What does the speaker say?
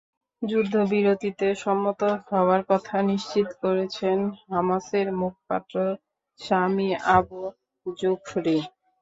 যুদ্ধবিরতিতে সম্মত হওয়ার কথা নিশ্চিত করেছেন হামাসের মুখপাত্র সামি আবু জুখরি।